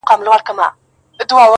له غرونو واوښتم، خو وږي نس ته ودرېدم .